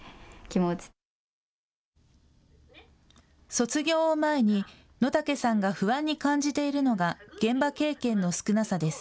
卒業を前に野武さんが不安に感じているのが現場経験の少なさです。